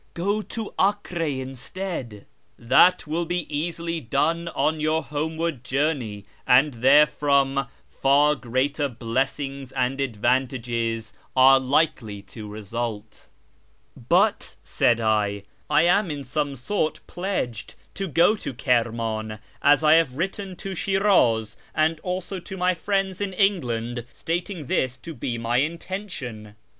Go to Acre instead ; that will be easily done on your homeward journey, and there from far greater blessings and advantages are likely to result." 4IO A YEAR AMONGST THE PERSIANS " But," said I, " I am in some sort pledged to go to Kirin; iu, as I have written to Slifniz and also to my friends in England stating this to be my intention."